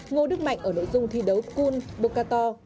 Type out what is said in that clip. ngô đức mạnh ở nội dung thi đấu kun boca